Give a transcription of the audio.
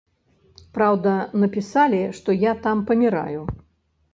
Праўда, напісалі, што я там паміраю.